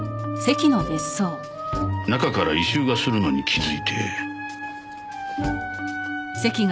中から異臭がするのに気づいて。